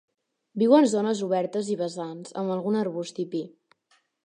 Viu en zones obertes i vessants amb algun arbust i pi.